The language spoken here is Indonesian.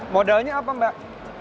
modalnya apa mbak